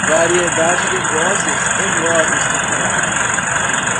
variedade de vozes e modos de falar